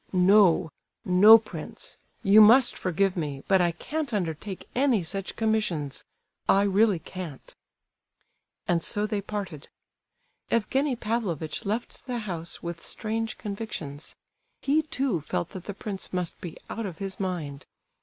"No—no, prince; you must forgive me, but I can't undertake any such commissions! I really can't." And so they parted. Evgenie Pavlovitch left the house with strange convictions. He, too, felt that the prince must be out of his mind.